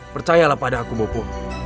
percayalah pada aku bopo